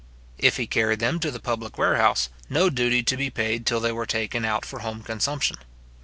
If he carried them to the public warehouse, no duty to be paid till they were taken out for home consumption.